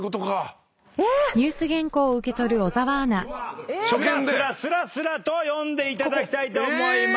さあこちらを今すらすらすらすらと読んでいただきたいと思います。